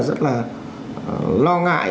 rất là lo ngại